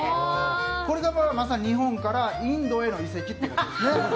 これがまさに日本からインドへの移籍ってことですね。